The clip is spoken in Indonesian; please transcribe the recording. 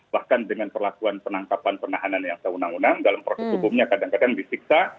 bahkan dengan perlakuan penangkapan penahanan yang seunang unang dalam proses hukumnya kadang kadang disiksa